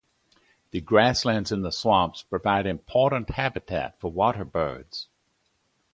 The grasslands in the swamps provide important habitat for waterbirds.